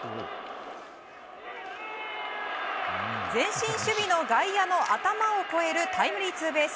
前進守備の外野の頭を越えるタイムリーツーベース。